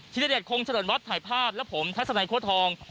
ธิรเดชคงเฉลินวัดถ่ายภาพและผมทัศนัยโค้ดทอง